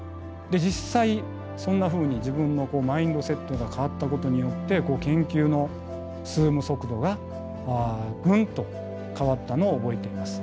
実際そんなふうに自分のマインドセットが変わったことによって研究の進む速度がグンと変わったのを覚えています。